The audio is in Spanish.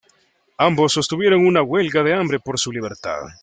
Ambos sostuvieron una huelga de hambre por su libertad.